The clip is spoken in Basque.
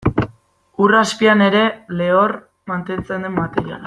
Ur azpian ere lehor mantentzen den materiala.